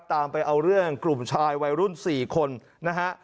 ตามไปเอาเรื่องกลุ่มชายวัยรุ่น๔คนนะฮะ